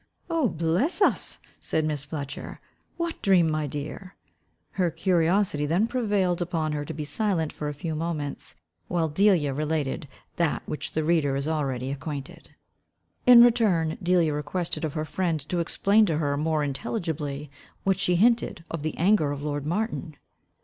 "Oh, bless us," said Miss Fletcher, "what dream, my dear?" Her curiosity then prevailed upon her to be silent for a few moments, while Delia related that with which the reader is already acquainted. In return, Delia requested of her friend to explain to her more intelligibly what she hinted of the anger of lord Martin.